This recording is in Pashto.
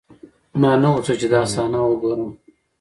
ما نه غوښتل چې دا صحنه وګورم.